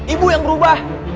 ibu yang berubah